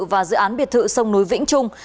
và dự án biệt thự sông núi vĩnh trung